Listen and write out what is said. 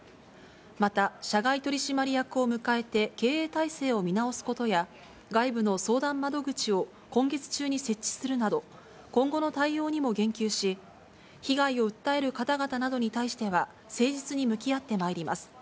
また、社外取締役を迎えて、経営体制を見直すことや、外部の相談窓口を今月中に設置するなど、今後の対応にも言及し、被害を訴える方々などに対しては、誠実に向き合ってまいります。